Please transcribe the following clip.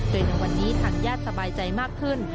โดยในวันนี้ทางญาติสบายใจมากขึ้น